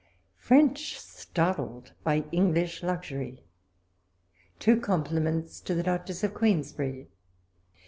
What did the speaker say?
... FJiFXCH STARTLED BY ENGLISH LUXURY TWO COMPLIMENTS TO THE DUCHESS OF QUEEN SBERRY.